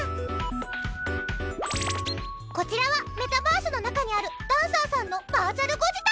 こちらはメタバースの中にあるダンサーさんのバーチャルご自宅！